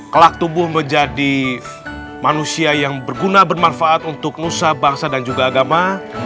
kelak tubuh menjadi manusia yang berguna bermanfaat untuk nusa bangsa dan juga agama